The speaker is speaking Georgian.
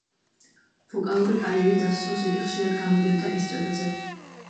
ვოკალური კარიერის დასარულს იგი ხშირად გამოდიოდა ესტრადაზე.